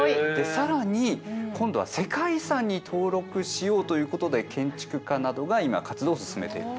更に今度は世界遺産に登録しようということで建築家などが今活動を進めている。